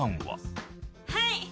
はい！